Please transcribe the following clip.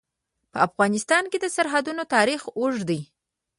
په افغانستان کې د سرحدونه تاریخ اوږد دی.